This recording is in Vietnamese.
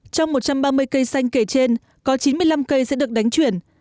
trong một trăm ba mươi cây xanh kể trên có chín mươi năm cây sẽ được đánh chuyển